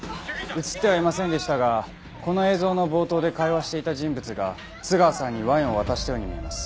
映ってはいませんでしたがこの映像の冒頭で会話していた人物が津川さんにワインを渡したように見えます。